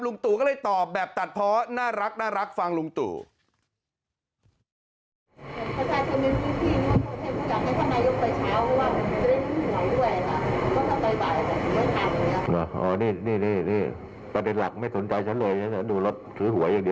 ตู่ก็เลยตอบแบบตัดเพาะน่ารักฟังลุงตู่